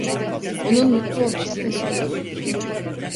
Onun mutlu olmasını istiyorum.